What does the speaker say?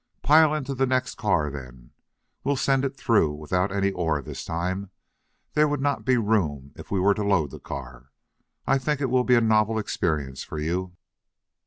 "Pile into the next car, then. We'll send it through without any ore this time. There would not be room if we were to load the car. I think it will be a novel experience for you."